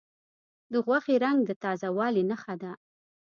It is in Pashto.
د غوښې رنګ د تازه والي نښه ده.